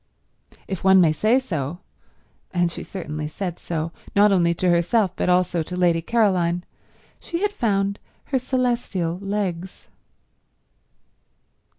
If one may say so, and she certainly said so, not only to herself but also to Lady Caroline, she had found her celestial legs.